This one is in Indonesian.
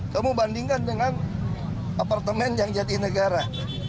kamu bandingkan dengan apartemen yang jadi negara